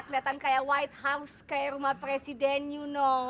kayak rumah presiden you know